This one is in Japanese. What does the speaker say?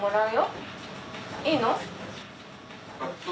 いいの？